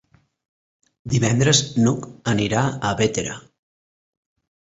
Divendres n'Hug anirà a Bétera.